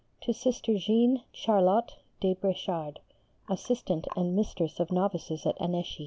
_To Sister Jeanne Charlotte de Bréchard, Assistant and Mistress of Novices at Annecy.